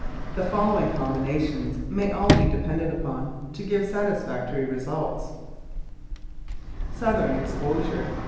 The follow ing combinations may all be depended upon to give satisfactory results: Southern Exposure.